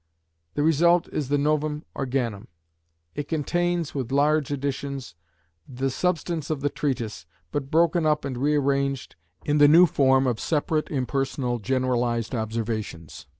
The result is the Novum Organum. It contains, with large additions, the substance of the treatise, but broken up and rearranged in the new form of separate impersonal generalised observations.